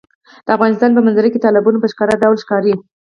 د افغانستان په منظره کې تالابونه په ښکاره ډول ښکاري.